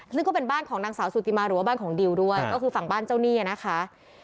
ซึ่งก็เป็นบ้านของนางสาวสุติมาหรือว่าบ้านของดิวด้วยก็คือฝั่งบ้านเจ้าหนี้นะคะ